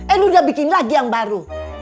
eh lu udah bikin lagi yang baru